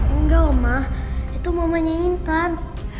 enggak mama itu mamanya intan